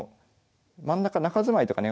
真ん中中住まいとかね